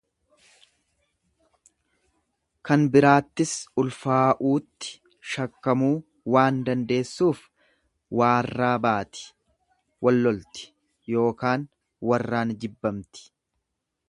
kan biraattis ulfaa'uutti shakkamuu waan dandeessuuf waarraa baati wallolti yookaan warraan jibbamti.